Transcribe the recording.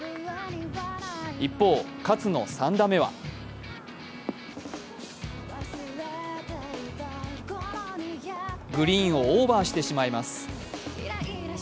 一方、勝の３打目はグリーンをオーバーしてしまいます。